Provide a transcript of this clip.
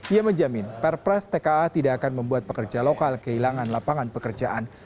ia menjamin perpres tka tidak akan membuat pekerja lokal kehilangan lapangan pekerjaan